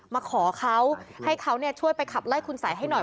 มาขอเขาให้เขาช่วยไปขับไล่คุณสัยให้หน่อย